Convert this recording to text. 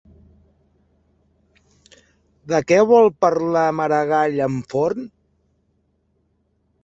De què vol parlar Maragall amb Forn?